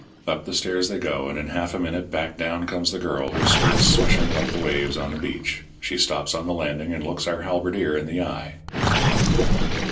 Up the stairs they go; and in half a minute back down comes the girl, her skirts swishing like the waves on the beach. She stops on the landing and looks our halberdier in the eye.